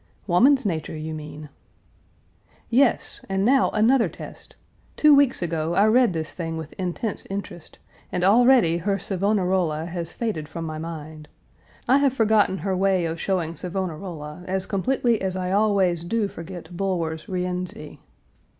"Woman's nature, you mean!" "Yes, and now another test. Two weeks ago I read this thing with intense interest, and already her Savonarola has faded from my mind. I have forgotten her way of showing Savonarola as completely as I always do forget Bulwer's Rienzi."